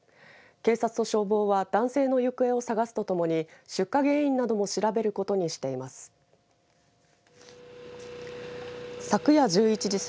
警察と消防は男性の行方を捜すとともに出火原因なども調べることにしています。